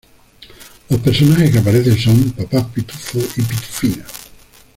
Los personajes que aparecen son "Papá Pitufo" y "Pitufina".